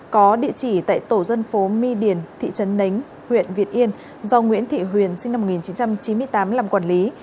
có địa chỉ tại tổ dân phố my điền thị trấn nánh huyện việt yên do nguyễn thị huyền sinh năm một nghìn chín trăm chín mươi tám làm quản lý